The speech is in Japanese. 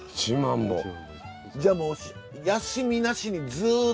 じゃあもう休みなしにずっと。